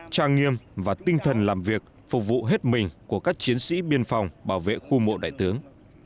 trang nghiêm và tinh thần làm việc phục vụ hết mình của các chiến sĩ biên phòng bảo vệ khu mộ đại tướng